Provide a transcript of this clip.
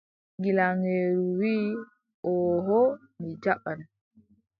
Gilaŋeeru wii: ooho mi jaɓan.